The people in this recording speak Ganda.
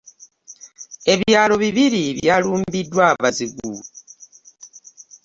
Ebyalo bibiri byalumbiddwa abazigu.